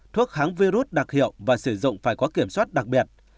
thuốc kháng virus đặc hiệu và sử dụng phải có kiểm soát đặc biệt